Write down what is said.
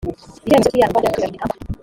icyemezo cy iyandikwa ry agateganyo gitangwa